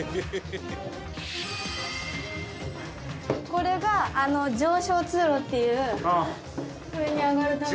これが上昇通路っていう上に上がるための。